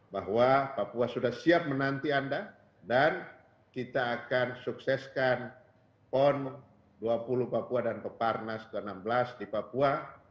bahwa papua sudah siap menanti anda dan kita akan sukseskan pon dua puluh papua dan peparnas ke enam belas di papua